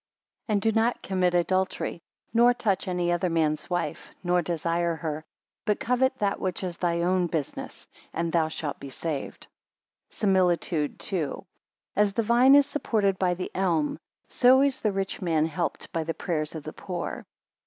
11 And do not commit adultery, nor touch any other man's wife, nor desire her; but covet that which is thy own business, and thou shalt be saved. SIMILITUDE II. As the vine is supported by the elm, so is the rich man helped by the prayers of the poor.